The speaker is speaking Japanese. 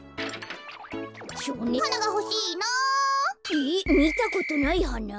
えっみたことないはな？